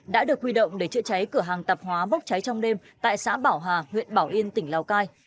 đã được huy động để chữa cháy cửa hàng tạp hóa bốc cháy trong đêm tại xã bảo hà huyện bảo yên tỉnh lào cai